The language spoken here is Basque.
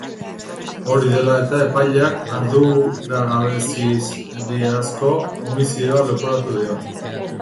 Hori dela eta, epaileak arduragabekeriazko homizidioa leporatuko dio.